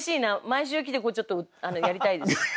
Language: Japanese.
毎週来てこうちょっとやりたいです。